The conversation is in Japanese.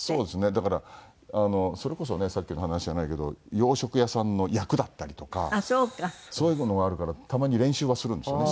だからそれこそねさっきの話じゃないけど洋食屋さんの役だったりとかそういうものがあるからたまに練習はするんですよね